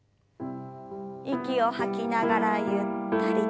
息を吐きながらゆったりと。